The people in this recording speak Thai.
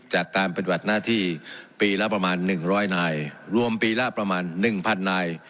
จากการปฏิบัติหน้าที่ปีละประมาณหนึ่งร้อยนายรวมปีละประมาณหนึ่งพันนาย